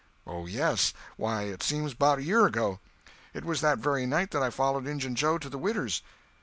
"Oh yes! Why, it seems 'bout a year ago. It was that very night that I follered Injun Joe to the widder's."